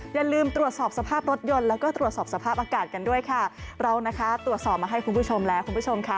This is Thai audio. อย่าลืมตรวจสอบสภาพรถยนต์แล้วก็ตรวจสอบสภาพอากาศกันด้วยค่ะเรานะคะตรวจสอบมาให้คุณผู้ชมแล้วคุณผู้ชมค่ะ